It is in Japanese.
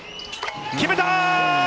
決めた！